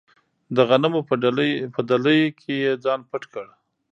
د غنمو په دلۍ کې یې ځان پټ کړ.